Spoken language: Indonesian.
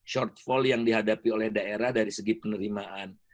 shortfall yang dihadapi oleh daerah dari segi penerimaan